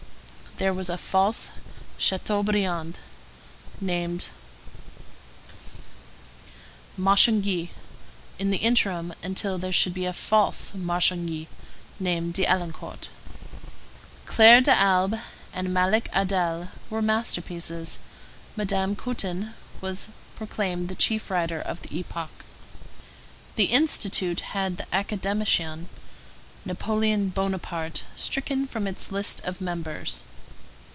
There was a false Chateaubriand, named Marchangy, in the interim, until there should be a false Marchangy, named d'Arlincourt. Claire d'Albe and Malek Adel were masterpieces; Madame Cottin was proclaimed the chief writer of the epoch. The Institute had the academician, Napoleon Bonaparte, stricken from its list of members.